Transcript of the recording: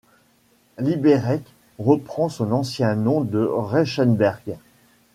Liberec reprend son ancien nom de Reichenberg.